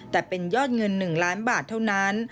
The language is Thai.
แต่เป็นยอดเงิน๑ล้านบาทเท่านั้น